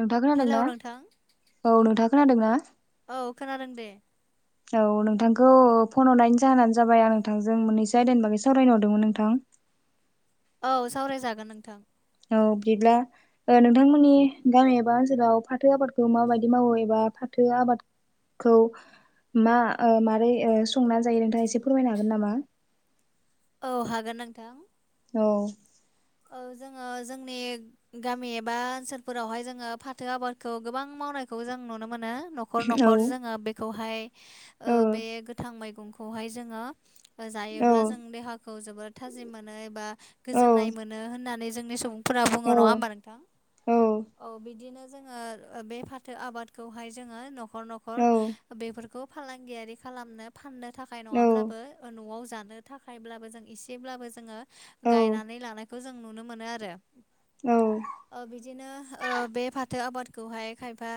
नोंथाङ हेलौ खोनादोंना नोंथां औ नोंथाङ खोनादोंना? औ खोनादों दे। [inaudible] औ नोंथांखौ फन हरनायनि जाहोनानो जाबाय आं नोंथांजों मोननैसो आयदानि बागै सावरायनो हरदोंमोन नोंथां। औ सावरायजागोन नोंथां। औ बिदिब्ला ओ नोंथांमोननि गामि एबा ओनसोलाव फाथो आबादखौ माबायदि मावो एबा फाथो आबाद खौ मा ओ मारै ओ संना जायो नोंथाङा एसे फोरमायनो हागोन नामा? औ हागोन नोंथां। औ ओ जोङो जोंनि गामि एबा ओनसोलफोरावहाय जोङो फाथो आबादखौ गोबां मावनायखौ जों नुनो मोनो नख न'खर औ न'खर जोङो बेखौहाय ओ बे गोथां मैगंखौहाय जोङो औ जायोब्ला जों देहाखौ जोबोर थाजिम मोनो एबा औ गोजोननाय मोनो होननानै जोंनि सुबुं फोरा बुङो औ नङा होनोमबा नोंथां औ बिदिनो जोङो बे फाथो आबादखौहाय जोङो न'खर न'खर औ बेफोर खौ फालांगियारि खालामनो फाननो थाखाय औ नङाब्लाबो न'आव जानो थाखायब्लाबो जों इसेब्लाबो जोङो औ गायनानै लानाय खौ जों नुनो मोनो आरो। औ ओ बिदिनो ओ बे फाथो आबादखौहाय खायफा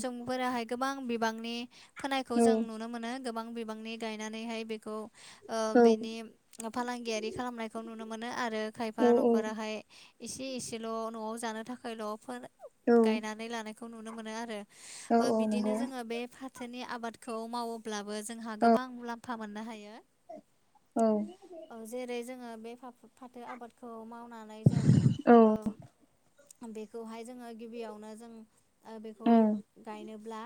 सुबुं फोराहाय गोबां बिबांनि फोनायखौ जों नुनो मोनो गोबां बिबांनि गायनानैहाय बेखौ ओ औ बेनि फालांगियारि खालामनायखौ नुनो मोनो आरो खायफा न'खरा ओमाय एसे एसेल' न'आव जानो थाखायल' फोन औ गायनानै लानायखौ नुनो मोनो आरो औ ओ बिदिनो नंगौ जोङो बे फा थोनि आबादखौ मावोब्लाबो जोंहा गोबां मुलाम्फा मोननो हायो औ औ जेरै जोङो बे फाथो आबादखौ मावना नानै जों औ ओ बेख खौहाय जोङो गिबियावनो जों बेखौ ओं गायनोब्ला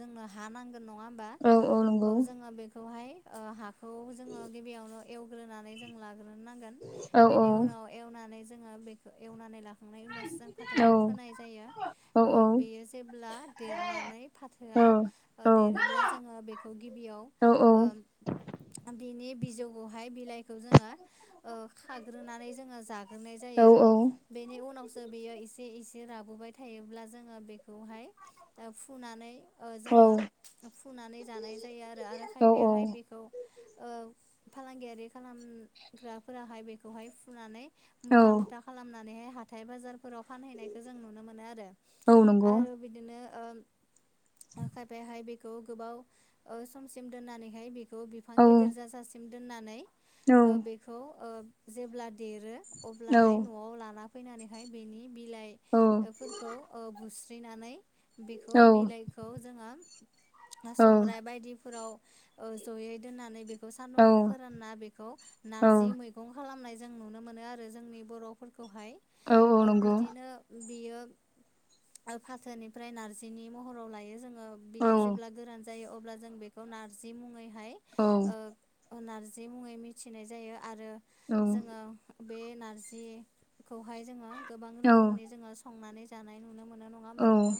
जोंनो हा नां गोन नङा होमा औ नंगौ औ जोङो बेखौहाय ओ‌ हाखौ जोङो गिबियावनो एवग्रोनानै जों लाग्रोनांगोन औ औ बेनि उना एवनानै जोङो बेखौ एवनानै लाखां खांनायनि उनावसो जों औ फाथोखौ फोनाय जायो औ ओ बेयो जे जेब्ला देरनानै औ फाथोआ औ देरोब्ला जोङो बेखौ गिबियाव औ ओ बिनि बिजौखौहाय बिलाइ बेखौ जोङो ओ खाग्रोनानै जोङो जाग्रोनाय औ जायो। बेनि उनावसो बेयो एसे एसे राबाय थायोब्ला जोङो बेखौहाय फुनानै जोङो फुनानै जानाय जायो आरो आरो औ खायफायाहाय बेखौ ओ फालांगियारि खालामग्राफोराहाय बेखौहाय औ खालामनानैहाय हाथाय बाजारफोराव फानहैनायखौ जों नुनो मोनो आरो। औ नंगौ आरो बेबादिनो ओ खायफायाहाय बेखौ बेखौ गोबाव समसिम दोननानैहाय बेखौ बिफां औ गेदेर जाजासिम दोननानै औ बेखौ जेब्ला देरो औ अब्लाहाय न'आव लाना फैनानैहाय बेनि औ बिलाइफोरखौ बुस्रिनानै बेखौ बिलाइ बेखौ जोङो औ संग्राय बायदिफोराव ओ जयै दोन्नानै बेखौ औ सान्दुुङाव फोरानना बेखौ नारजि मैगं खालामनाय जा जों नुनो मोनो आरो जोंनि बर'फोरखौहाय औ नंगौ बिदिनो बियो फाथोनिफ्राय नारजिनि महराव लायो जों औ बियो जेब्ला गोरान जायो अब्ला जों बेखौ नारजि मुङैहाय नारजि मुङै मिथिनाय जायो आरो जोङो बे नारजिखौहाय जोङो गोबां औ रोखोमनि जोङो संनानै जानाय नुनो मोनो नङा नङा होमबा औ नोंथां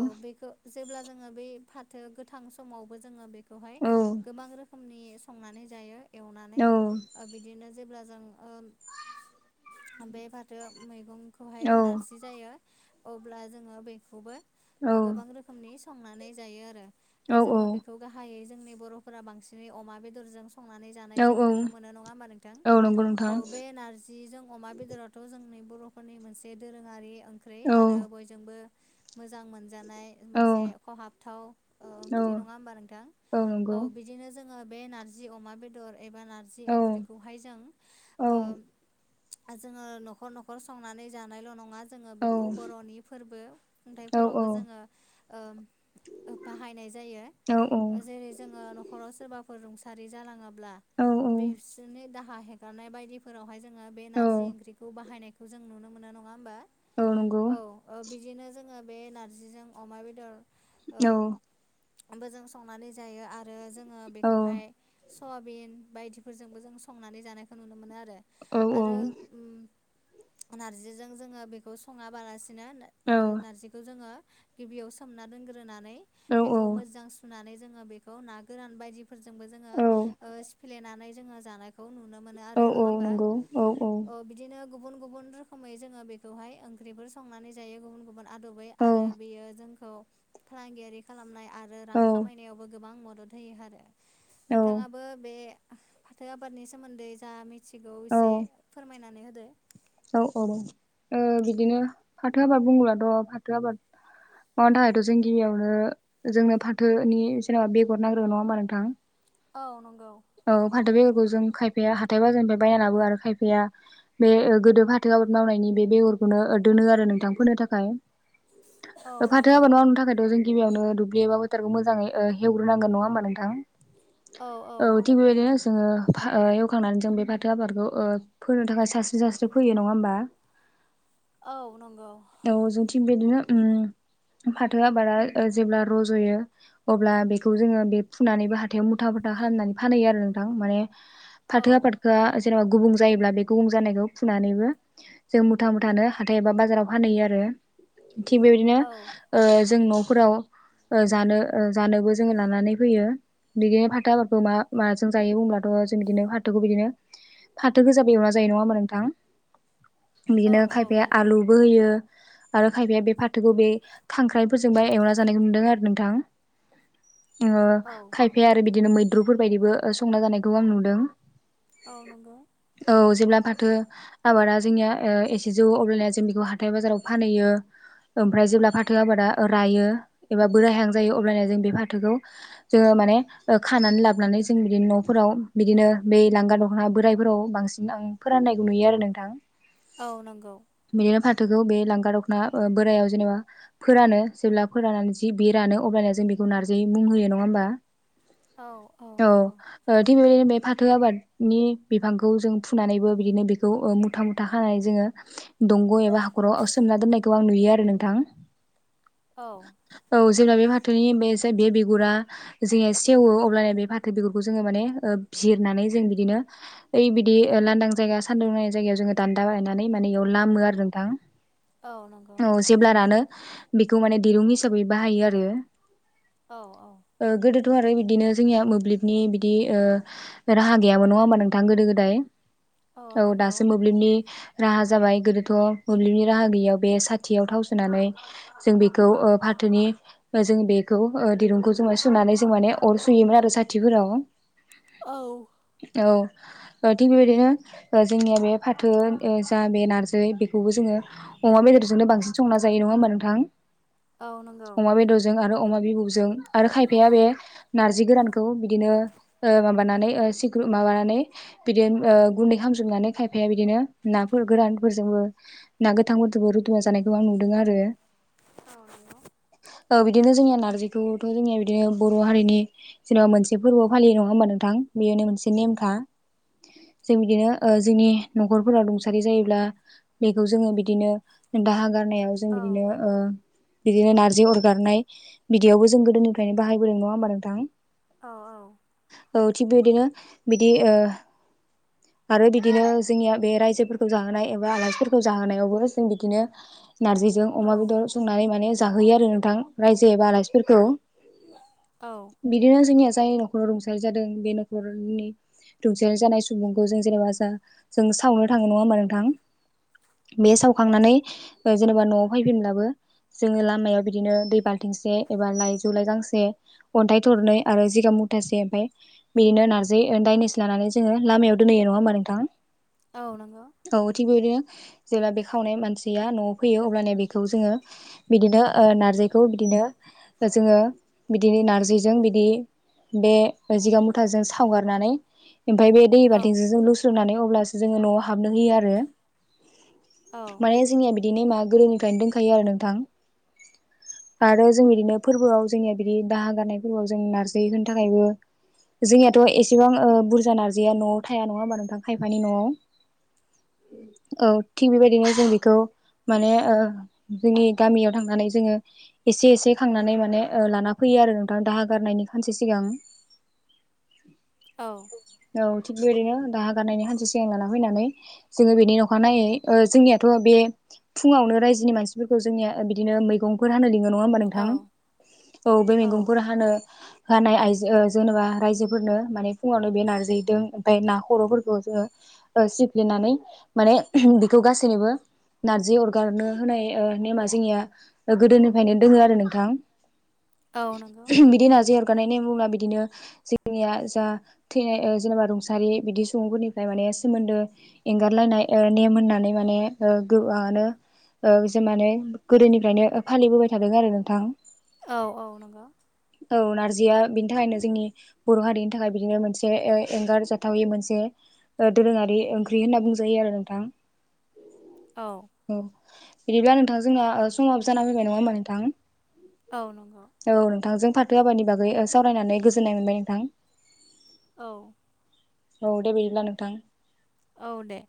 औ बेखौ। जेब्ला जोङो बे फाथो गोथां समावबो जोङो बेखौहाय औ औ गोबां रोखोमनि संनानै जायो एवनानै औ औ बिदिनो जेब्ला जों बे फाथो मैगंखौहाय नारजि जायो अब्ला जोङो बेखौबो औ औ गोबां रोखोमनि संनानै जायो आरो। जोङो बेखौ गाहायै जोंनि बर'फोरा बांसिनै अमा बेदरजों संनानै जानाय जों नुनो मोनो नङा होमबा नोंथां।? औ नंगौ नोंथां नारजि जजों अमा बेदरावथ' जोंनि बर'फोरनि मोनसे दोरोङारि ओंख्रि औ आरो। जोंबो मोजां मोनजानाय औ मोनसे खहाबथाव औ ओंख्रि नङा होमबा नोंथां औ बिदिनो जों ङ बे नार्जि अमा बेदर एबा नारजि औ ओंख्रिखौहाय जों औ जोङो न'खर न'खर संनानै जानायल' नङा जोङो औ बेखौ बर'नि फोरबो औ औ खन्थाइफोरावबो जोङो बाहायनाय जायो औ जेरै जोङो नखराव सोरबाफोर रुंसारि जालाङोब्ला औ बिसोरनि दाहा हेगारनाय बायदि। फोरावहाय जोङो बे औ नारजि ओंख्रिखौ बाहायनायखौ जों नुनो मोनो नङा होमबा औ नंगौ औ? बिदिनो जोङो बे नारजिजों अमा बेदर औ बजों संनानै जायो आरो जोङो औ बेखौहाय सयाबिन बायदिफोरजोंबो जों संनानै जानायखौ नुनो मोनो आरो। औ आरो नारजिजों जोङो बेखौ सङाबालासिनो नारजिखौ जोङो गिबियाव सोमना दोनग्रोनानै औ बेखौ मोजां सुनानै जोङो बेखौ ना गोरान बायदिफोरजोंबो जोङो औ सिफ्लेनानै जोङो जानायखौ नु नुनो मोनो औ आरो नङा औ होमबा। नंगौ औ बिदिनो गुबुन गुबुन रोखोमै जोङो बेखौहाय ओंख्रिफोर संनानै जायो गुबुन गुबुन आदबै औ आरो बेयो जोंखौ फालांगियारि खालामनाय आरो आरो औ रां खामायनायावबो गोबां मदद होयो आरो औ नोंथाङाबो बे फाथो आबादनि सोमोन्दै जा मिथिगौ एसे फोरमायनानै होदो। औ औ बिदिनो फाथो आबाद बुङलाथ' फाथो आबाद माबानि थाखायथ' जों गियावनो जोंनो फाथोनि जेनेबा बेगर नांग्रोोन नङा होमबा नोंथां। औ नंगौ। औ फाथो बेगरखौ जों खायफैाया हाथायबा जोंनि बायानाबो आरो खायफाया बे गोदो फाथो आबाद मावनायनि बे बेगरखौनो दोनो आरो नोंथां फोनो थाखाय औ फाथो नंगौ हाब न न थाखायथ' जों गिबियावनो दुब्लिबाोथारखौ मोजाङै हवग्रोनांग नङा होमबा नोंथां। औ थिग बेबायदिनो जोङो एवखांनानै जों बे फाथो आबादखौ ओ फोनो थाखाय सानस्रि सास्रि फोयो नङा होमबा? [inaudible] औ नंगौ। औ जों थिग बिदिनो उम फाथो आबादा ओ जेब्ला रज'यो अब्ला बेखौ जोङो बे फुनानैबो हाथायाव मुथा बुथा खालामनानै। फानहैयो आरो नोंथां माने औ फाथो आबादखौ। आ जेराव गुबुं जायोब्ला बे गुबुं जानायखौ फुनानैबो जों मुथा मुथानो हाथाय एबा बाजाराव फानहैयो आरो थिग बेबायदिनो औ ओ जों न'फोराव ओ जानो जानोबो जोङो लानानै फैयो बिदिनो फाथाफोरखौ मा माबाजों जायो अब्लाथ' जों बिदिनो फाथोखौ बिदिनो फाथो गोजा एवना जायो नङा होमबा नोंथां। औ बिदिनो औ खायफाया नंगौ आलुबो होयो आरो खायफाया बे फाथो। बे खांख्राइफोरजोंबा एवना जानायखौ नुदों आरो नोंथां ओ औ खायफा आरो बिदिनो मैद्रुफोरबायदिबो संना जानायखौ आं नुदों। औ नंगौ। औ जेब्ला फाथो आबादा जोंनिया ओ एसे जौ अब्लानिया जों बेखौ हाथाय बाजाराव फानहैयो। ओमफ्राय जेब्ला फाथो आबादा रायो एबा बोरायहां जायो अब्लाना जों बे फाथोखौ जोङो माने ओ खानानै लाब नानै जों बिदिनो न'फोराव बिदिनो बै लांगा दख'ना बोराइफोराव बांसिन आं फोराननायखौ नुयो आरो नोंथां। [inaudible] औ नंगौ। बिदिनो फाथोखौ बे लांगा दख'ना ओ बोराइयाव जेनेबा फोरानो जेब्ला फोराननानै जि बे रानो अब्लाना जों बेखौ नारजि मुं होयो नङा होमबा? औ। औ। ओ थिग बेबायदिनो बे फाथो आबादनि बिफांखौ जों फुनानैबो बिदिनो बेखौ ओ मुथा मुथा खानाय जोङो दंग' एबा हाख'राव सोमना दोननायखौ आं नुयो आरो नोंथां। औ। औ जेब्ला बे फाथोनि बे जे बे बिगुरा जेला सेवो अब्लाना बे फाथो बिगुरखौ जोङो माने ओ जिरनानै जों बिदिनो। ओइ बिदि ओ लांदां जायगा सान्दुं नांनाय जायगायाव जोङो दान्दा गायनानै माने इयाव लामो आरो नोंथां। औ नंगौ। जेब्लानानो बेखौ माने दिरुं हिसाबै बाहायो आरो। औ औ। ओ गोदोथ' आरो बिदिनो जोंनिया। मोब्लिबनि बिदि ओ राहा गैयामोन नङा होमबा नोंथां गोदो गोदाय औ दासो मोब्लिबनि राहा जाबाय गोदोथ' मोब्लिबनि राहा गैयियाव बे साथियाव थाव सोनानै जों बेखौ ओ फाथोनि जों बेखौ ओ दिरुंखौ जों सुनानै जों माने अर सुयोमोन आरो साथिफोराव औ। अ। ओ थिग बेबायदिनो जोंनिया बे फाथो ओ जा बे नारजि बेखौबो जोङो। अमा बेदरजोंनो बांसिन संना जायो नङा होमबा नोंथां औ नंगौ औ नंगौ अमा बेदरजों आरो अमा बिबुजों आरो खायफाया बे नारजि गोरानखौ बिदिनो ओ माबानानै माबानानै। माबानानै बिदिनो ओ गुन्दै खालामामजोबनानै खायफाया बिदिनो नाफोर गोरानफोरजोंबो। ना गोथांफोरजोंबो रुदुबना जानायखौ आं नुदों आरो। औ नंग। ओ बिदिनो जोंनिया नारजिखौथ' जोंनिया बिदिनो बर' हारिनि। जेनेबा मोनसे फोरबो फालियो नङा होमबा नोंथां बेयोनो मोनसे नेमखा। जों बिदिनो जोंनि न'खरफोरााव रुंसारि जायोब्ला बेखौ जोङो बिदिनो दाहा गारनायाव जों औ बिदिनो बिदिनो नार्जि अरगारनाय बिदियावबो जों गोदोनिफ्रायनो बाहायबोदों नङा होमबा नोंथां औ औ औ थिग बेबायदिनो बिदि आरो बिदिनो जोंनिया बे रायजोफोरखौ जाहोनाय एबा आलासिफोरखौ जाहोनायावबो जों बिदिनो। नार्जिजों अमा बेदर संनानै माने जाहोयो आरो नोंथां रायजो एबा आलासिफोरखौ। औ। बिदिनो जोंनिया जाय न'खराव रुंसारि जादों बे न'खरनि रुंसेारि जानाय सुबुंखौ जों जेनेबा जा जों सावनो थाङो नङा होमा नोंथां बे सावखांनानै जेनेबा न'आव फैफिनब्लाबो जोङनि लामायाव बिदिनो दै बालथिंसे एबा लाइजौ लाइजांसे अन्थाइ थरनै आरो जिगां मुथासे ओमफफ्राय बिदिनो नारजि दायनेस लानानै जोङो लामायाव दोनहोयो नङा होमबा नोंथां आ नंगौ औ थिग बेबायदिनो जेब्ला बे खावनाय मानसिया न'आव फैयो अबब्लानिया बेखौ जोङो बिदिनो नार्जिखौ बिदिनो जोङो बिदिनो नारजि जों बिदि बे जिगा मुथाजों सावगारनानै ओमफ्राय बे दै औ बाथिजों जों लुस्रनानै अब्लासो जोङो न'आव हाबनो होयो आरो माने जोंनिया बिदि नेमा गोदोनिफ्रायनो दोनखायो आरो नोंथां आरो जों बिदिनो फोरबोआव जोंनिया बिदि दाहा गारनाय फोरबोआव जों नारजि होनो थाखायबो जोंनियाथ' एसेबां बुरजा नारजिया न'आव थाया नङा होमबा नोंथां खायफानि न'आव औ थिग बेबायदिनो जों बेखौ माने जोंनि गामियाव थांनानै जोङो एसे एसे खांनानै माने लाना फैयो आरो दाहा गारनायनि खानसे सिगां औ औ थिग बेदिनो दा गारनायनि हानसे सिगां लाना फैनानै जोङो बेनि अख नायै जोंनियाथ' बे फुङावनो रायजोनि मानसिफोरखौ जोंनिया बिदिनो मैगंफोर हानो लिङो नङा होनोमबान नोंथां औ बे मैगंफोर हानो होनाय आइजो जेनेबा रायजोफोरनो माने फुङावनो बे नारजिदों ओमफ्राय ना खर'फोरखौ जोङो सिफ्लिनानै माने बेखौ गासैनिबो नारजि अरगारनो होनाय नेमा जोंनिया गोदोनिफ्रायनो दोङो आरो नोंथां औ नंगौ बिदि नजि हरगानायनि मुङा बिदिनो जोंनिया जा थैनाय जेनेबा रुंसारि बिदि सुबुंफोरनिफ्राय माने सोमोन्दो एंगारलायनाय नेम होननानै माने गोबानो जों मे गोदोनिफ्रायनो फालिबोबाय थादों आरो नोंथां औ औ नंगौ औ नारजिया बेनि थाखायनो जोंनि बर' हारिनि थाखाय बिदिनो मोनसे एंगार जाथावि मोनसे दोरोङारि ओंख्रि होनना बुंजायो आरो नोंथां औ औ बिदिब्ला नोंथां जोंना समावाबो जाना फैबाय नङा होमबा नोंथां औ नंगौ औ नोंथांजों फाथो आाबानि बागै सावरायनानै गोजोननाय मोनबाय नोंथां औ औ दे बिदिब्ला नोंथां औ दे